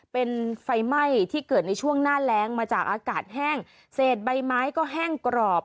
เป็นไฟไหม้ที่เกิดในช่วงหน้าแรงมาจากอากาศแห้งเศษใบไม้ก็แห้งกรอบ